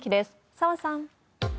澤さん。